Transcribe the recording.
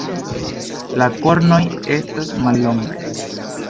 La kornoj estas mallongaj.